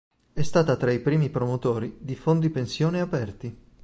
È stata tra i primi promotori di fondi pensione aperti.